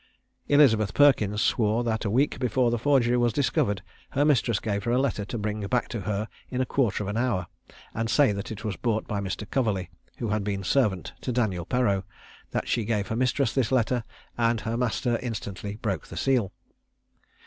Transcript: Elizabeth Perkins swore that a week before the forgery was discovered, her mistress gave her a letter to bring back to her in a quarter of an hour, and say it was brought by Mr. Coverley, who had been servant to Daniel Perreau; that she gave her mistress this letter, and her master instantly broke the seal.